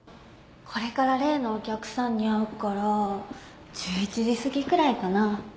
これから例のお客さんに会うから１１時すぎくらいかな